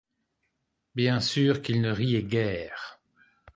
Bien sûr qu'il ne riait guère.